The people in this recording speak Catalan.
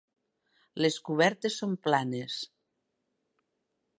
Les cobertes són planes.